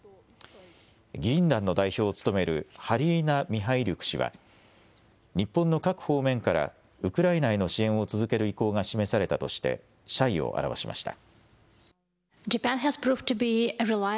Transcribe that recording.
議員団の代表を務めるハリーナ・ミハイリュク氏は、日本の各方面からウクライナへの支援を続ける意向が示されたとして謝意を表しました。